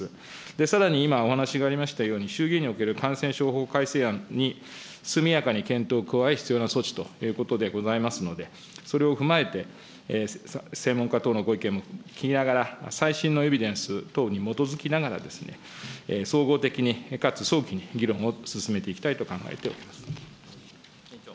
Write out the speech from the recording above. さらに今、お話がありましたように、衆議院における感染症法改正案に速やかに検討を加え、必要な措置ということでございますので、それを踏まえて、専門家等のご意見も聞きながら、最新のエビデンス等に基づきながら、総合的にかつ早期に議論を進めていきたいと考えております。